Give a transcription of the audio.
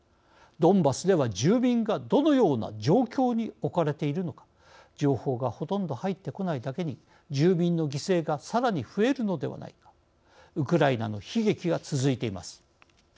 ドンバスでは住民がどのような状況に置かれているのか情報がほとんど入ってこないだけに住民の犠牲がさらに増えるのではないかウクライナの悲劇が続いています。